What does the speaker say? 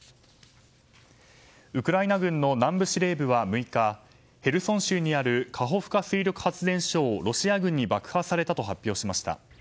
ウクライナ軍の南部司令部は６日ヘルソン州にあるカホクカ水力発電所をロシア軍に爆破されたと発表しました。